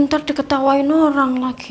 ntar diketawain orang lagi